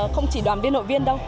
không chỉ cho đoàn viên nội viên đâu